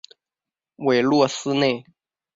韦洛斯内。